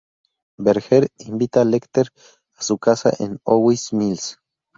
Verger invita a Lecter a su casa en Owings Mills.